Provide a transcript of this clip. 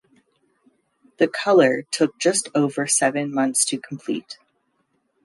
The colour took just over seven months to complete.